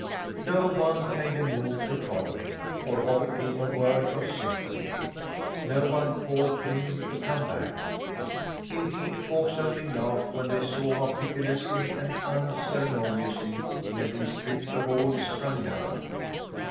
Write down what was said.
No one made a move to follow him or offered him a word of sympathy. No one called to him to come back. Indeed folks only laughed when they saw how pitilessly and unceremoniously he had been stripped of all his grandeur.